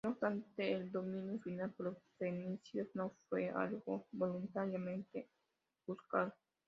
No obstante, el dominio final por los fenicios no fue algo voluntariamente buscado.